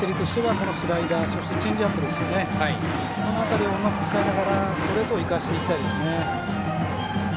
この辺りを、うまく使いながらストレートを生かしていきたいですね。